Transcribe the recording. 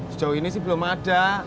sejauh ini sih belum ada